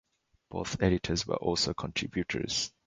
Both editors were also contributors.